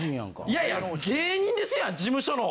いやいや芸人ですやん事務所の